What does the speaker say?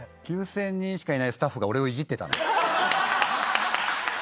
９０００人しかいないスタッフが俺をいじってたの？